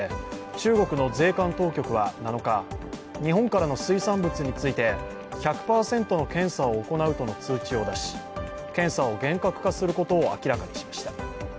中国の税関当局は７日、日本からの水産物について、１００％の検査を行うとの通知を出し検査を厳格化することを明らかにしました。